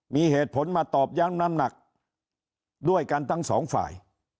มีเหตุผลมาตอบยั้งน้ำหนักด้วยกันทั้งสองฝ่าย